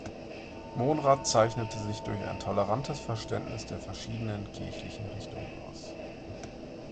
Monrad zeichnete sich durch ein tolerantes Verständnis der verschiedenen kirchlichen Richtungen aus.